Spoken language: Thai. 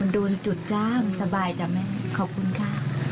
โดนจุดจ้างสบายจ้ะแม่ขอบคุณค่ะ